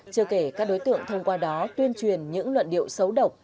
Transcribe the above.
chưa kể các đối tượng thông qua đó tuyên truyền những luận điệu xấu độc